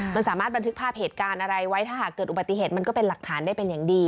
มันสามารถบันทึกภาพเหตุการณ์อะไรไว้ถ้าหากเกิดอุบัติเหตุมันก็เป็นหลักฐานได้เป็นอย่างดี